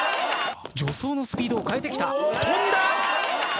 助走のスピードを変えてきた。